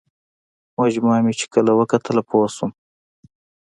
مجموعه مې چې وکتله پوه شوم.